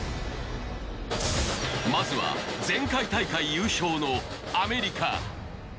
まずは前回大会優勝のアメリカ。